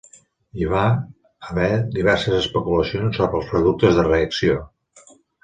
Hi va haver diverses especulacions sobre els productes de reacció.